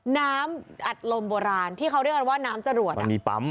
น้ำอัดลมโบราณที่เขาเรียกกันว่าน้ำจรวดอ่ะมีปั๊ม